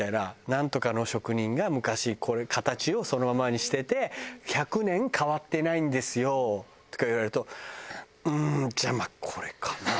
「ナントカの職人が昔これ形をそのままにしてて１００年変わってないんですよ」とか言われるとうーんじゃあまあこれかな。